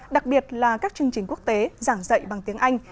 đặc biệt là các chương trình quốc tế giảng dạy bằng tiếng anh